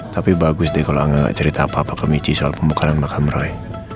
tapi bagus deh kalau angga gak cerita apa apa ke michi soal pembukaan makam roy